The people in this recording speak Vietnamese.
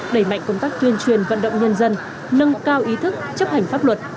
đẩy mạnh công tác tuyên truyền vận động nhân dân nâng cao ý thức chấp hành pháp luật